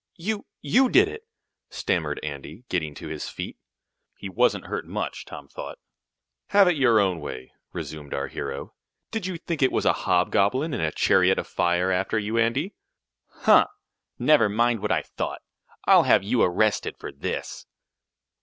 "You you did it!" stammered Andy, getting to his feet. He wasn't hurt much, Tom thought. "Have it your own way," resumed our hero. "Did you think it was a hob goblin in a chariot of fire after you, Andy?" "Huh! Never mind what I thought! I'll have you arrested for this!"